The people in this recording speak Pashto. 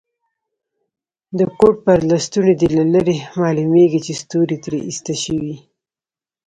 د کوټ پر لستوڼي دي له لرې معلومیږي چي ستوري ترې ایسته شوي.